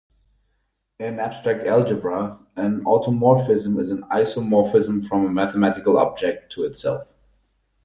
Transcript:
In abstract algebra, an automorphism is an isomorphism from a mathematical object to itself.